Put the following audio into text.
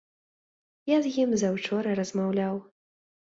Я з ім заўчора размаўляў.